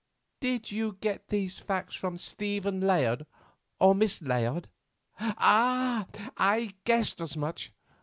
"Did you get these facts from Stephen Layard and Miss Layard? Ah! I guessed as much.